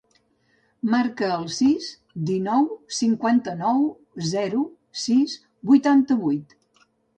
Marca el sis, dinou, cinquanta-nou, zero, sis, vuitanta-vuit.